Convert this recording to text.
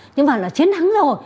nhưng mà là chiến thắng rồi